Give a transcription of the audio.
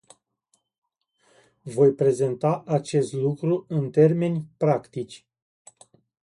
Voi prezenta acest lucru în termeni practici.